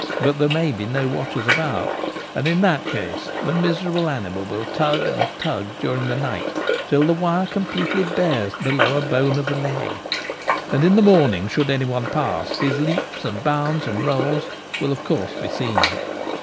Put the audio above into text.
But there may be no watchers about ; and in that case the miserable animal will tug and tug during the night till the wire completely bares the lower bone of the leg, and in the morning, should any one pass, his leaps and bounds and rolls will of course be seen.